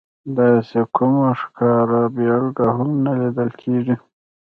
داسې کومه ښکاره بېلګه هم نه لیدل کېږي.